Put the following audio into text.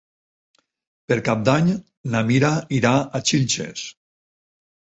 Per Cap d'Any na Mira irà a Xilxes.